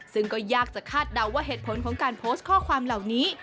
ซึ่งก็ยากจะคาดเดาว่าเหตุผลของการโพสต์ข้อความเหล่านี้